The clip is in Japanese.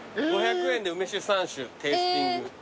５００円で梅酒３種テイスティング。